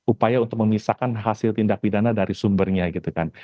upaya untuk memisahkan hasil tindak pidana dari sumbernya gitu kan